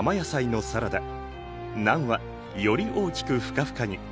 ナンはより大きくふかふかに。